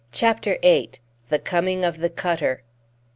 CHAPTER VIII. THE COMING OF THE CUTTER.